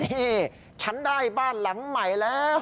นี่ฉันได้บ้านหลังใหม่แล้ว